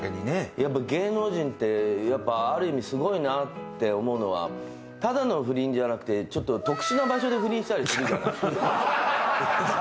やっぱ芸能人ってある意味すごいなと思うのがただの不倫じゃなくてちょっと特殊な場所で不倫したりするじゃない。